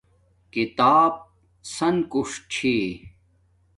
کتاب سن کوݽ چھی